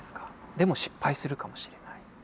でも失敗するかもしれない。